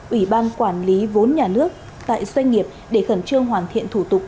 ủy ban quản lý vốn nhà nước tại doanh nghiệp để khẩn trương hoàn thiện thủ tục